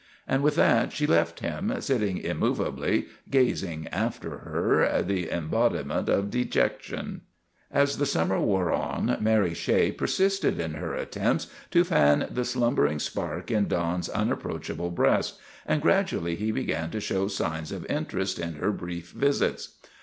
And with that she left him sitting immovably, gazing after her, the embodiment of dejection. THE RETURN OF THE CHAMPION 297 As the summer wore on Mary Shea persisted in her attempts to fan the slumbering spark in Don's unapproachable breast, and gradually he began to show signs of interest in her brief visits.